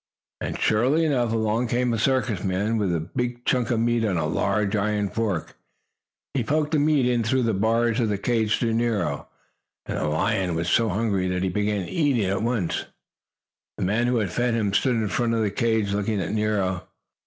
And, surely enough, along came a circus man with a big chunk of meat on a large, iron fork. He poked the meat in through the bars of the cage to Nero, and the lion was so hungry that he began eating at once. The man who had fed him stood in front of the cage, looking at Nero.